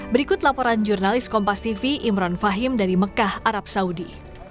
berikut laporan jurnalis kompas tv imran fahim dari mekah arab saudi